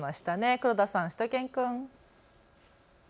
黒田さん、しゅと犬くん。